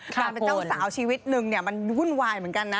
การเป็นเจ้าสาวชีวิตนึงเนี่ยมันวุ่นวายเหมือนกันนะ